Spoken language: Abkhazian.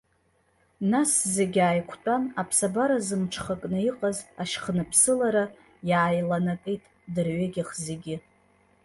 Нас зегьы ааиқәтәан, аԥсабара зымҽхакны иҟаз ашьхныԥсылара иааиланакит дырҩегьых зегьы.